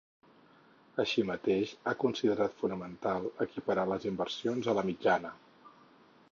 Així mateix, ha considerat “fonamental” equiparar les inversions a la mitjana.